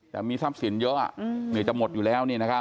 แต่มีทรัพย์สินเยอะเหนื่อยจะหมดอยู่แล้ว